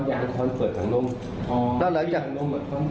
พอลยางพอลเปิดถังนมต้องตีถังนม